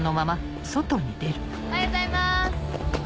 おはようございます！